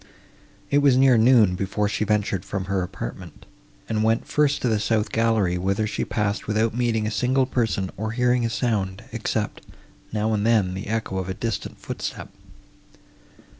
It was near noon, before she ventured from her apartment, and went first to the south gallery, whither she passed without meeting a single person, or hearing a sound, except, now and then, the echo of a distant footstep.